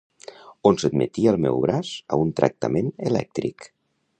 On sotmetia el meu braç a un tractament elèctric